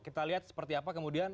kita lihat seperti apa kemudian